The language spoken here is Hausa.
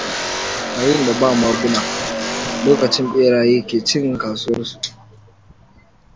Yayin da ba maguna, lokacin beraye ke cin kasuwarsu.